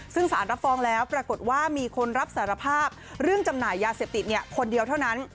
ซึ่งสารรับฟ้องแล้วปรากฏว่ามีคนรับสารภาพเรื่องจำหน่ายยาเสพติดคนเดียวเท่านั้น